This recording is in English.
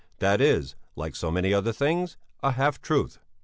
This is, like so many other things, a half truth.